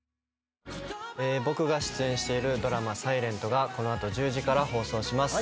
僕が出演しているドラマ『ｓｉｌｅｎｔ』がこの後１０時から放送します。